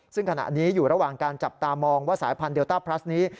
ซึ่งขณะนี้อยู่ระหว่างการจับตามองว่าสายพันธุเดลต้าพลัสนี้